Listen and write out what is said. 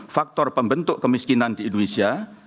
faktor pembentuk kemiskinan di indonesia